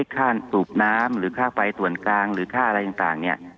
ค่าสูบน้ำหรือค่าไฟส่วนกลางหรือค่าอะไรต่างเนี่ย